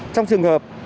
trong trường hợp